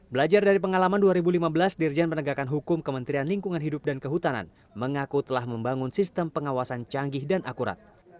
belajar dari pengalaman dua ribu lima belas dirjen penegakan hukum kementerian lingkungan hidup dan kehutanan mengaku telah membangun sistem pengawasan canggih dan akurat